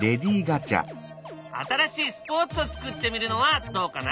新しいスポーツを作ってみるのはどうかな？